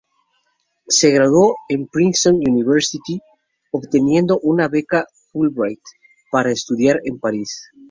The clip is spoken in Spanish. Se graduó en Princeton University, obteniendo una beca Fulbright para estudiar en París.